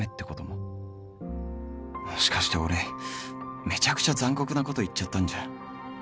もしかして俺めちゃくちゃ残酷なこと言っちゃったんじゃ